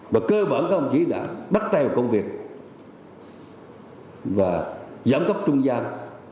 và cơ bản các ông chí đã bắt tay vào công việc và giám cấp trung gian